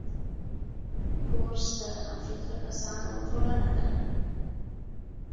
کورس د همفکره کسانو ټولنه ده.